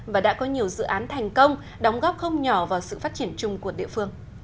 và đã có nhiều dự án thành công đóng góp không nhỏ vào sự phát triển chung của địa phương